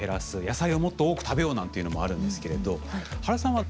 野菜をもっと多く食べようなんていうのもあるんですけれど原さんは？